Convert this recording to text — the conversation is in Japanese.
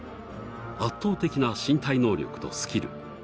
圧倒的な身体能力とスキル。